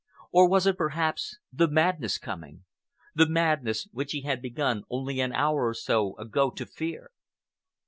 Or was it, perhaps, the madness coming—the madness which he had begun only an hour or so ago to fear!